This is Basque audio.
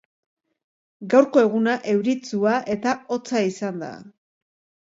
Gaurko eguna euritsua eta hotza izan da